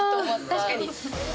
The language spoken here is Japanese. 確かに。